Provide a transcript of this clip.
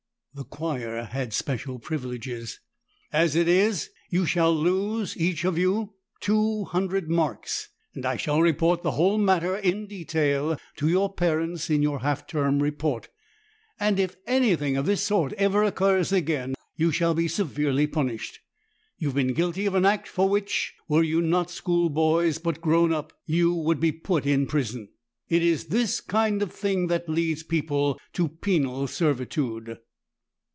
(The choir had special privileges.) As it is, you shall lose, each of you, 200 marks, and I shall report the whole matter in detail to your parents in your half term report, and if anything of the sort ever occurs again, you shall be severely punished. You have been guilty of an act for which, were you not schoolboys, but grown up, you would be put in prison. It is this kind of thing that leads people to penal servitude."